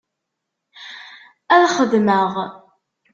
Ad xedmeɣ.